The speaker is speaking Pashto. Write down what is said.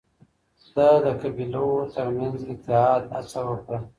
ده د قبيلو ترمنځ اتحاد هڅه وکړ